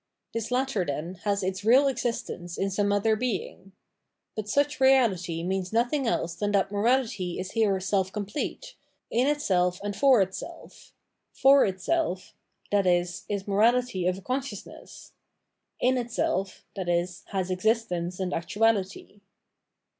This latter, then, has its real existence in some other being. But such reality means nothing else than that morality is here self complete, in itself and for itself — for itself, i.e. is morahty of a con sciousness : in itself, i.e. has existence and actuahty.